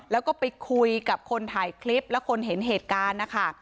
แล้วก็ไปคุยกับคนถ่ายคลิปและคนเห็นเหตุการณ์นะคะ